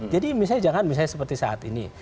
jadi misalnya jangan seperti saat ini